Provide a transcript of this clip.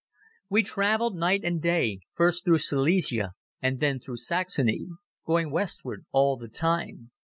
We traveled night and day, first through Silesia, and then through Saxony, going westward all the time.